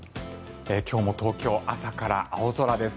今日も東京、朝から青空です。